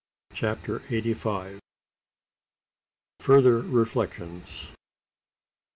CHAPTER EIGHTY FIVE. FURTHER REFLECTIONS.